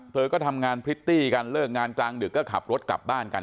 เธอก็ทำงานพริตตี้กันเลิกงานกลางดึกก็ขับรถกลับบ้านกัน